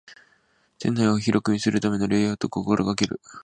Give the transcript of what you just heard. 店内を広く見せるためのレイアウトを心がける